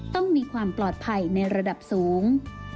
ต้องมีความปลอดภัยในระดับสูง